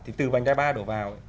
thì từ vành đai ba đổ vào